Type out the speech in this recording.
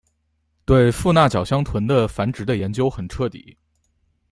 对富纳角箱鲀的繁殖的研究很彻底。